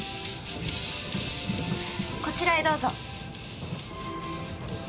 こちらへどうぞ。